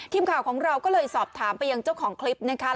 ทีมข่าวของเราก็เลยสอบถามไปยังเจ้าของคลิปนะคะ